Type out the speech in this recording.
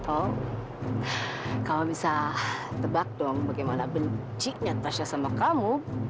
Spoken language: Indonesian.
oh kamu bisa tebak dong bagaimana bencinya tasya sama kamu